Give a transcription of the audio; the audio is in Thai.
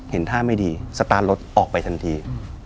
เห็นท่าไม่ดีสตาร์ทรถออกไปทันที